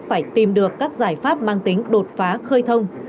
phải tìm được các giải pháp mang tính đột phá khơi thông